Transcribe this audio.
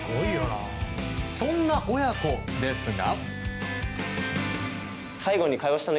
そんな親子ですが。